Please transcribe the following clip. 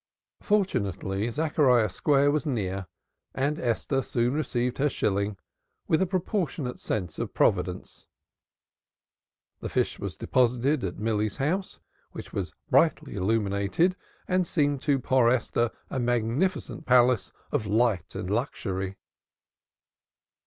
Fortunately Zachariah Square was near and Esther soon received her shilling with a proportionate sense of Providence. The fish was deposited at Milly's house, which was brightly illuminated and seemed to poor Esther a magnificent palace of light and luxury.